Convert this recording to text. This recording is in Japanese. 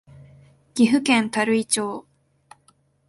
岐阜県垂井町